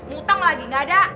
ngutang lagi gak ada